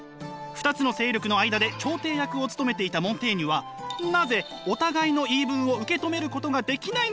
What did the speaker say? ２つの勢力の間で調停役を務めていたモンテーニュは「なぜお互いの言い分を受け止めることができないのか」と考えました。